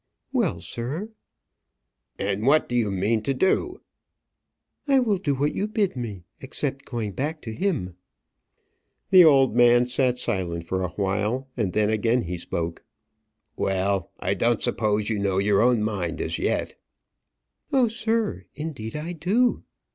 "Well, sir!" "And what do you mean to do?" "I will do what you bid me except going back to him." The old man sat silent for awhile, and then again he spoke. "Well, I don't suppose you know your own mind, as yet." "Oh, sir! indeed I do."